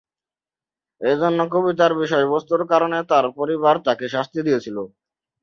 এর জন্য কবিতার বিষয়বস্তুর কারণে তার পরিবার তাকে শাস্তি দিয়েছিল।